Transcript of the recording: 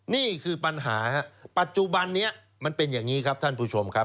นี่คือปัญหาปัจจุบันนี้มันเป็นอย่างนี้ครับท่านผู้ชมครับ